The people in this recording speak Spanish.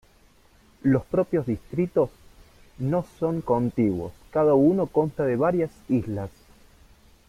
Los propios distritos no son contiguos, cada uno consta de varias "islas".